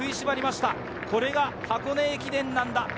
これが箱根駅伝なんだ。